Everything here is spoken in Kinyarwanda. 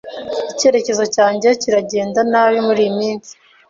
Icyerekezo cyanjye kiragenda nabi muriyi minsi.